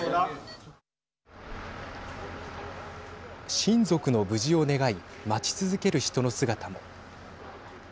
親族の無事を願い待ち続ける人の姿も。